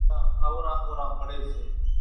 ڏوڪيلان اوران ۿوران پڙي سي،